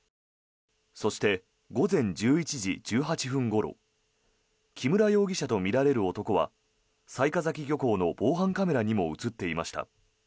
そして、午前１１時１８分ごろ木村容疑者とみられる男は雑賀崎漁港の防犯カメラにも映っていました。